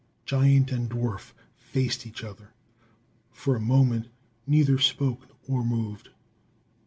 Giant and dwarf faced each other. For a moment neither spoke or moved.